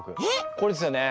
これですよね？